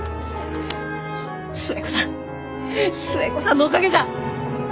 寿恵子さん寿恵子さんのおかげじゃ！